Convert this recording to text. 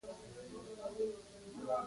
د پردیو د مداخلو لار همدغه صحافت دی.